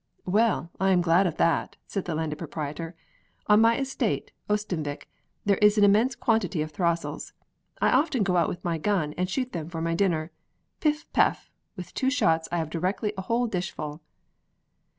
"Well, I am glad of that!" said the Landed Proprietor. "On my estate, Oestanvik, there is an immense quantity of throstles. I often go out with my gun, and shoot them for my dinner. Piff, paff! with two shots I have directly a whole dishful."